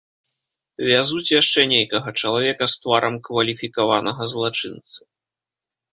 Вязуць яшчэ нейкага чалавека з тварам кваліфікаванага злачынцы.